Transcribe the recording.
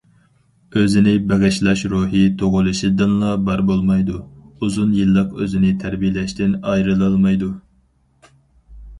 ئۆزىنى بېغىشلاش روھى تۇغۇلۇشىدىنلا بار بولمايدۇ، ئۇزۇن يىللىق ئۆزىنى تەربىيەلەشتىن ئايرىلالمايدۇ.